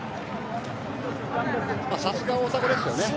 さすが大迫です。